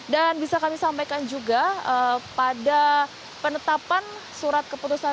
dan bisa kami sampaikan juga pada penetapan surat keputusan menteri perhubungan